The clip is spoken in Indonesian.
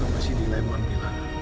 dokter juga masih dilemoh mila